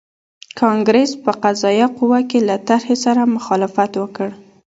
کانګریس په قضایه قوه کې له طرحې سره مخالفت وکړ.